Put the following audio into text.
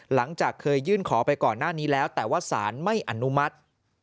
หลังจากเคยยื่นขอไปก่อนหน้านี้แล้วแต่ว่าสารไม่อนุมัติ